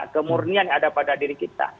kemurnian yang ada pada diri kita